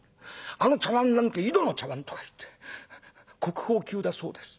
あの茶碗なんて井戸の茶碗とかいって国宝級だそうです。